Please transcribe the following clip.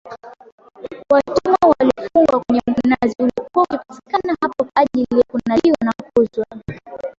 Watumwa walifungwa kwenye Mkunazi uliokuwa ukipatikana hapo kwa ajili ya kunadiwa na kuuzwa